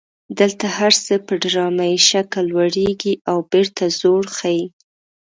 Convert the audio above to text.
دلته هر څه په ډرامایي شکل لوړیږي او بیرته ځوړ خي.